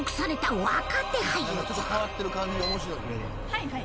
はいはい。